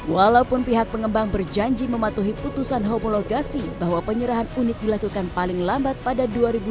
walaupun pihak pengembang berjanji mematuhi putusan homologasi bahwa penyerahan unit dilakukan paling lambat pada dua ribu dua puluh